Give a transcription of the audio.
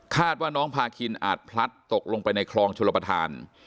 ว่าน้องพาคินอาจพลัดตกลงไปในคลองชลประธาน